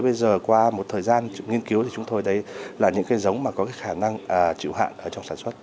thế bây giờ qua một thời gian nghiên cứu thì chúng tôi thấy là những cái giống mà có cái khả năng trựu hạn ở trong sản xuất